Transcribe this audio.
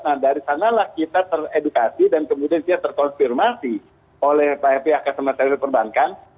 nah dari sanalah kita teredukasi dan kemudian dia terkonfirmasi oleh pihak pihak perbankan